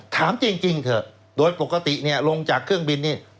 ถามจริงเถอะโดยปกติเนี่ยลงจากเครื่องบินนี่